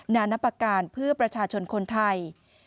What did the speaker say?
นานับประการเพื่อประชาชนคนไทย